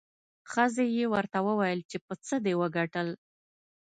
ښځې یې ورته وویل چې په څه دې وګټل؟